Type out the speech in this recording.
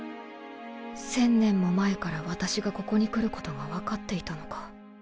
１０００年も前から私がここに来ることが分かっていたのか？